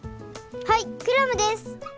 はいクラムです。